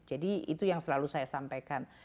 jadi itu yang selalu saya sampaikan